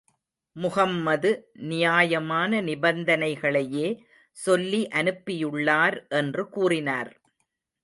முஹம்மது நியாயமான நிபந்தனைகளையே சொல்லி அனுப்பியுள்ளார் என்று கூறினார்.